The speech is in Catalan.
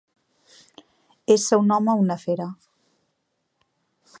Ésser un home una fera.